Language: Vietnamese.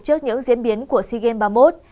trước những diễn biến của sea games ba mươi một